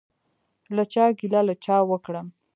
له چا ګیله له چا وکړم؟